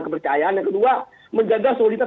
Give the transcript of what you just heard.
kepercayaan yang kedua menjaga soliditas